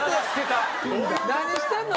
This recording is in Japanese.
何してんの？